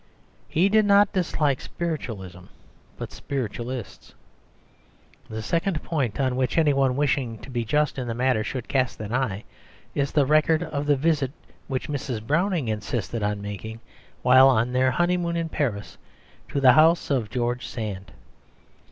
He did not dislike spiritualism, but spiritualists. The second point on which any one wishing to be just in the matter should cast an eye, is the record of the visit which Mrs. Browning insisted on making while on their honeymoon in Paris to the house of George Sand.